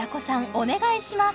お願いします